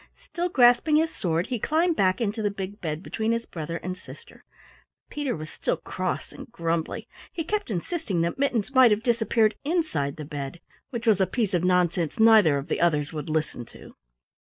Still grasping his sword, he climbed back into the big bed between his brother and sister. Peter was still cross and grumbly. He kept insisting that Mittens might have disappeared inside the bed which was a piece of nonsense neither of the others would listen to.